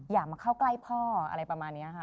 อยากมาเข้าใกล้พ่ออะไรประมาณนี้ค่ะ